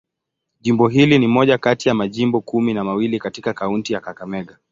Jimbo hili ni moja kati ya majimbo kumi na mawili katika kaunti ya Kakamega.